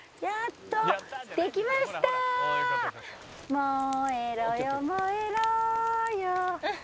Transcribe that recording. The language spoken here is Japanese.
「燃えろよ燃えろよ」